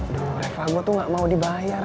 duh reva gue tuh ga mau dibayar